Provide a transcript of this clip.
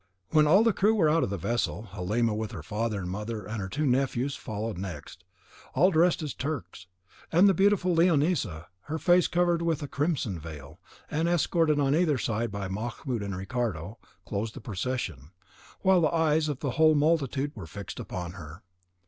When all the crew were out of the vessel, Halima with her father and mother, and her two nephews, followed next, all dressed as Turks; and the beautiful Leonisa, her face covered with a crimson veil, and escorted on either side by Mahmoud and Ricardo, closed the procession, while the eyes of the whole multitude were fixed upon her.